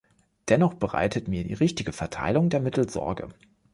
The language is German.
Dennoch bereitet mir die richtige Verteilung der Mittel Sorge.